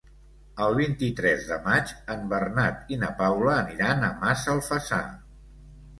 El vint-i-tres de maig en Bernat i na Paula aniran a Massalfassar.